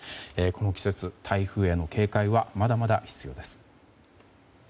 この季節、台風への警戒はまだまだ必要です。